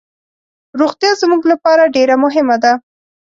روغتیا زموږ لپاره ډیر مهمه ده.